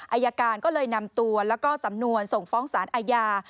อายการก็เลยนำตัวแล้วก็สำนวนส่งฟ้องสารอาญา